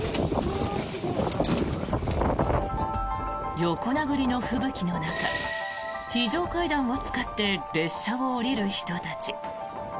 横殴りの吹雪の中非常階段を使って列車を降りる人たち。